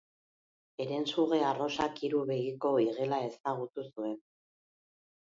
Herensuge arrosak hiru begiko igela ezagutu zuen.